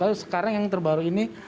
lalu sekarang yang terbaru ini